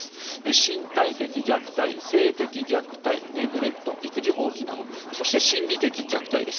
身体的虐待、性的虐待ネグレクト、育児放棄などそして心理的虐待です。